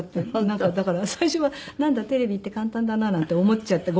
なんかだから最初はなんだテレビって簡単だななんて思っちゃって。